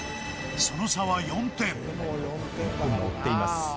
その差は４点日本も追っています